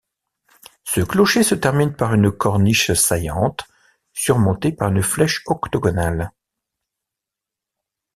Ce clocher se termine par une corniche saillante surmontée par une flèche octogonale.